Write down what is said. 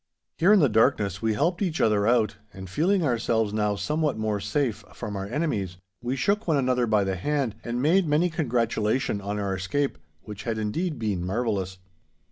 Here in the darkness we helped each other out, and feeling ourselves now somewhat more safe from our enemies, we shook one another by the hand and made many congratulation on our escape, which had indeed been marvellous.